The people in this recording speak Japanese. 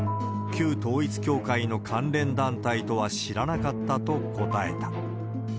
旧統一教会の関連団体とは知らなかったと答えた。